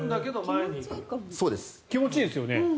気持ちいいですよね。